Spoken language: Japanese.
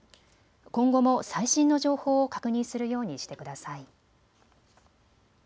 今後も最新の情報を確認するようにしてください。